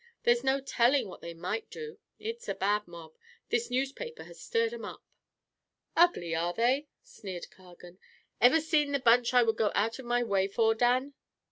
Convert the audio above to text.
There's no telling what they might do. It's a bad mob this newspaper has stirred 'em up." "Ugly, are they?" sneered Cargan. "Ever seen the bunch I would go out of my way for, Dan?"